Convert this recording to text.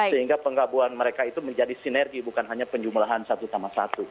sehingga penggabungan mereka itu menjadi sinergi bukan hanya penjumlahan satu sama satu